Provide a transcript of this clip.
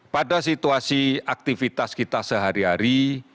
pada situasi aktivitas kita sehari hari